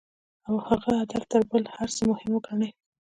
او هغه هدف تر بل هر څه مهم وګڼي.